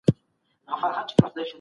پوهه د بريا تر ټولو ښه وسيله ده.